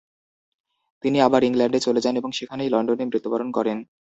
তিনি আবার ইংল্যান্ডে চলে যান এবং সেখানেই লন্ডনে মৃত্যুবরণ করেন ।